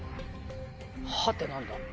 「は」って何だ？